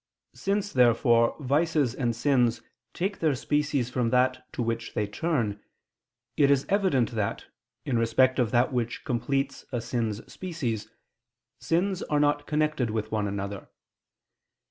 Since, therefore, vices and sins take their species from that to which they turn, it is evident that, in respect of that which completes a sin's species, sins are not connected with one another.